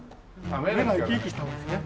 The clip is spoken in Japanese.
目が生き生きした方がいいですね。